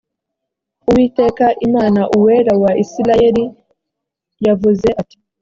uwiteka imana uwera wa isirayeli yavuze ati